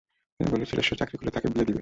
তুমি বলেছিলে সে চাকরি করলে তাকে বিয়ে দিবে।